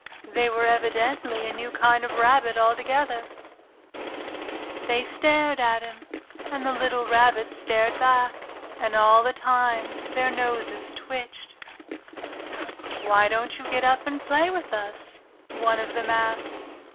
They were evidently a new kind of rabbit altogether. Summer Days They stared at him, and the little Rabbit stared back. And all the time their noses twitched. "Why don't you get up and play with us?" one of them asked.